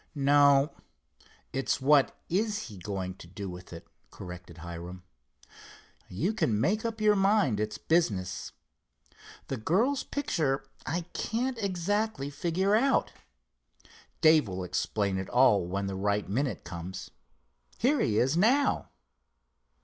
"No, it's what is he going to do with it," corrected Hiram. "You can make up your mind, it's business. The girl's picture I can't exactly figure out. Dave will explain it all when the right minute comes. Here he is now."